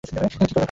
কিন্তু, কী করবেন?